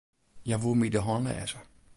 Hja woe my de hân lêze.